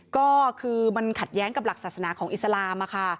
ก็คือมันขัดแย้งกับหลักศาสนาของอิสลามค่ะ